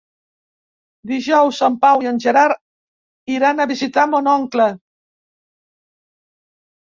Dijous en Pau i en Gerard iran a visitar mon oncle.